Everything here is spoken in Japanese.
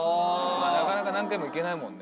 まあなかなか何回も行けないもんね。